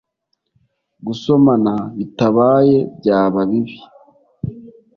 gusomana bitabaye byaba bibi